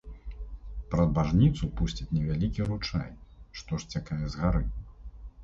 Праз бажніцу пусцяць невялікі ручай, што сцякае з гары.